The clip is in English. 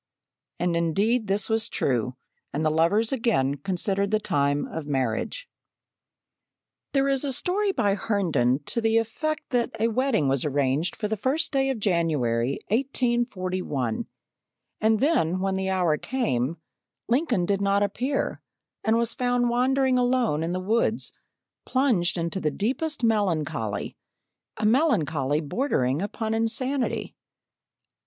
And indeed this was true, and the lovers again considered the time of marriage. There is a story by Herndon to the effect that a wedding was arranged for the first day of January, 1841, and then when the hour came Lincoln did not appear, and was found wandering alone in the woods plunged in the deepest melancholy a melancholy bordering upon insanity.